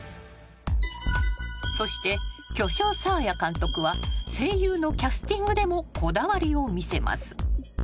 ［そして巨匠サーヤ監督は声優のキャスティングでもこだわりを見せます］